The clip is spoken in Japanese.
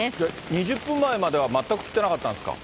２０分前までは全く降ってなかったんですか？